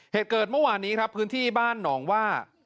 เหตุเกิดเมื่อวานนี้ครับพื้นที่บ้านหนองว่า